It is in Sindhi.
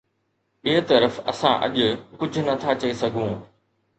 ٻئي طرف اسان اڄ ڪجهه نٿا چئي سگهون